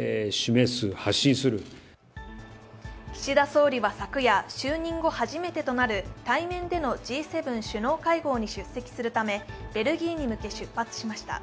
岸田総理は昨夜、就任後初めてとなる対面でのＧ７首脳会合に出席するためベルギーに向け出発しました。